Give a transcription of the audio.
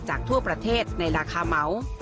ทั่วประเทศในราคาเหมา